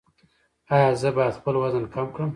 ایا زه باید خپل وزن کم کړم؟